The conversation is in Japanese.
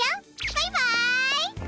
バイバイ！